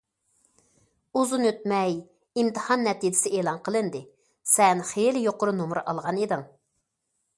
ئۇزۇن ئۆتمەي ئىمتىھان نەتىجىسى ئېلان قىلىندى، سەن خېلى يۇقىرى نومۇر ئالغان ئىدىڭ.